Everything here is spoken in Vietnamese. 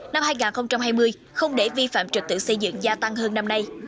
năm hai nghìn hai mươi không để vi phạm trật tự xây dựng gia tăng hơn năm nay